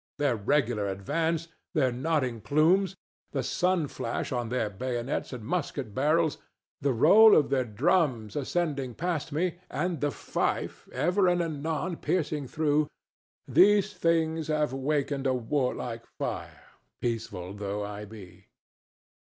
Their regular advance, their nodding plumes, the sun flash on their bayonets and musket barrels, the roll of their drums ascending past me, and the fife ever and anon piercing through,—these things have wakened a warlike fire, peaceful though I be.